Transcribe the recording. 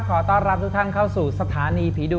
ขอต้อนรับทุกท่านเข้าสู่สถานีผีดุ